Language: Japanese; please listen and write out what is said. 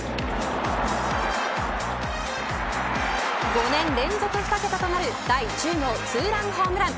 ５年連続２桁となる第１０号２ランホームラン。